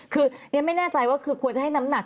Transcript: คือเรียนไม่แน่ใจว่าคือควรจะให้น้ำหนัก